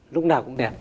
lúc nào cũng đẹp